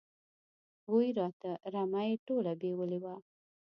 بوی راته، رمه یې ټوله بېولې وه.